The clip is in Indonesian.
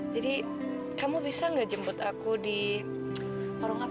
jadi kamu bisa nggak jemput aku di warung apa ya nih